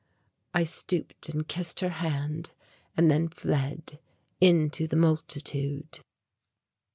I stooped and kissed her hand and then fled into the multitude.